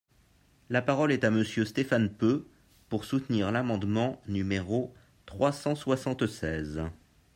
La parole est à Monsieur Stéphane Peu, pour soutenir l’amendement numéro trois cent soixante-seize.